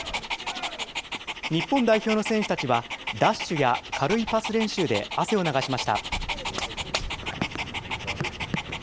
日本代表の選手たちは、ダッシュや軽いパス練習で汗を流しました。